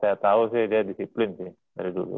saya tahu dia disiplin dari dulu